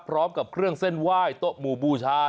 พร้อมกับเครื่องเส้นไหว้โต๊ะหมู่บูชา